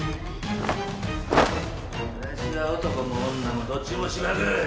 わしは男も女もどっちもしばく！